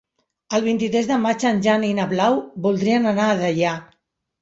El vint-i-tres de maig en Jan i na Blau voldrien anar a Deià.